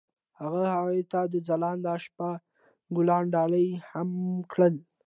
هغه هغې ته د ځلانده شپه ګلان ډالۍ هم کړل.